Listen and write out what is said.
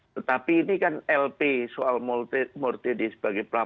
tetapi ini kan lp soal murtede sebagai pelapor